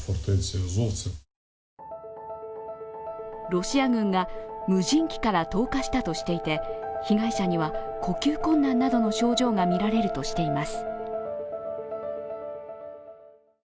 ロシア軍が無人機から投下したとしていて被害者には呼吸困難などの症状がみられるとしています。